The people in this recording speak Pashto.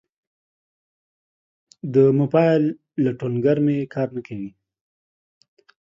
د موبایل لټونګر می کار نه کوي